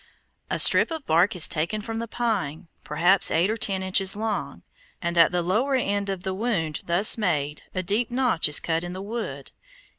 A strip of bark is taken from the pine, perhaps eight or ten inches long, and at the lower end of the wound thus made, a deep notch is cut in the wood.